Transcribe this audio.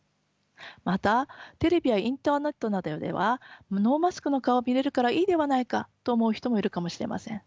またテレビやインターネットなどではノーマスクの顔を見れるからいいではないかと思う人もいるかもしれません。